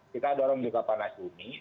kita dorong juga panas bumi